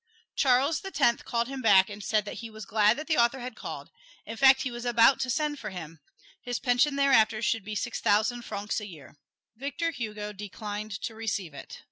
Charles the Tenth called him back, and said that he was glad the author had called in fact, he was about to send for him. His pension thereafter should be six thousand francs a year. Victor Hugo declined to receive it.